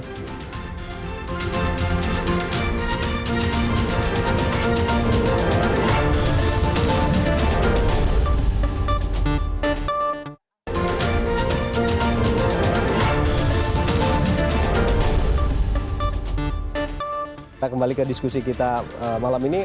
kita kembali ke diskusi kita malam ini